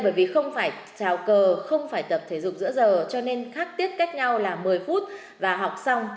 bởi vì không phải trào cờ không phải tập thể dục giữa giờ cho nên khác tiết cách nhau là một mươi phút và học xong